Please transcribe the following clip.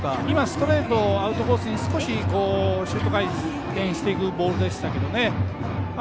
今、ストレートアウトコースに少しシュート回転していくボールでしたけど。